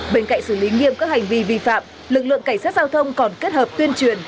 bên cạnh xử lý nghiêm các hành vi vi phạm lực lượng cảnh sát giao thông còn kết hợp tuyên truyền